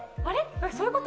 そういうこと？